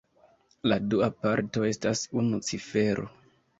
La dua parto estas unu cifero.